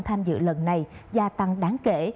tham dự lần này gia tăng đáng kể